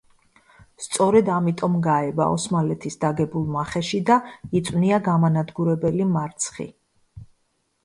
სწორედ ამიტომ გაება ოსმალების დაგებულ მახეში და იწვნია გამანადგურებელი მარცხი.